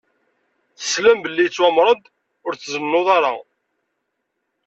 Teslam belli yettwameṛ-d: Ur tzennuḍ ara!